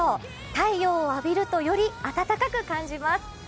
太陽を浴びるとより暖かく感じます。